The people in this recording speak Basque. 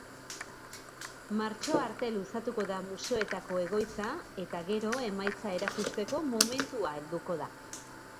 Martxoa arte luzatuko da museoetako egoitza eta gero emaitza erakusteko momentua helduko da.